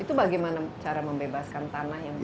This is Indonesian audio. itu bagaimana cara membebaskan tanah yang paling efektif